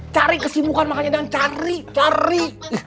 cari kesibukan makanya dan cari cari